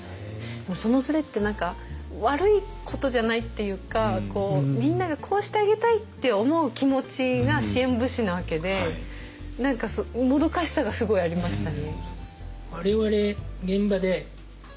でもそのズレって何か悪いことじゃないっていうかみんながこうしてあげたいって思う気持ちが支援物資なわけで何かもどかしさがすごいありましたね。